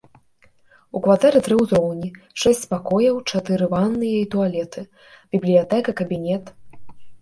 У кватэры тры ўзроўні, шэсць пакояў, чатыры ванныя і туалеты, бібліятэка, кабінет.